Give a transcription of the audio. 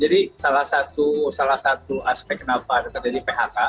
jadi salah satu aspek kenapa terjadi phk